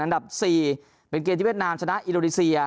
อันดับ๔เป็นเกมที่เวียดนามชนะอินโดนีเซีย